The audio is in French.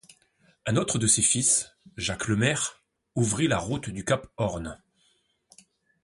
Un autre de ses fils, Jacques Le Maire, ouvrit la route du Cap Horn.